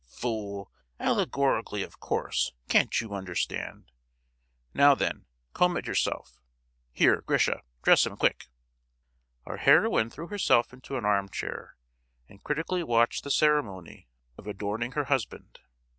"Fool!—allegorically, of course—can't you understand? Now, then, comb it yourself. Here, Grisha, dress him, quick!" Our heroine threw herself into an arm chair, and critically watched the ceremony of adorning her husband.